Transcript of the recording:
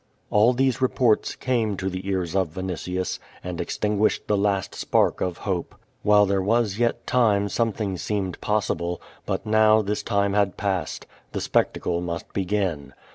All these reports came to the ears of Vinitius, and ex tinguished the last spark of hope. While there wtLS yet time something seemed possible, but now this time had passed. The spl'ctacle must begin.